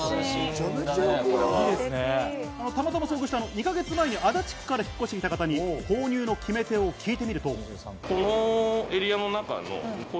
２か月前に足立区から引っ越してきた方に購入の決め手を聞いてみると。